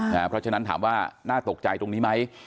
เพราะฉะนั้นถามว่าน่าตกใจตรงนี้ไหม